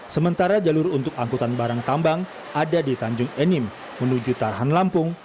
sementara jalur untuk angkutan barang tambang ada di tanjung enim menuju tarhan lampung